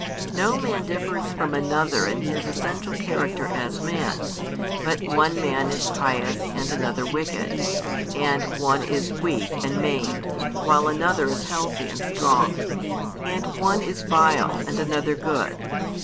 No man differs from another in his essential character as man; but one man is pious and another wicked; and one is weak and maimed, while another is healthy and strong; and one is vile and another good.